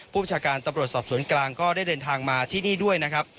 ประชาการตำรวจสอบสวนกลางก็ได้เดินทางมาที่นี่ด้วยนะครับ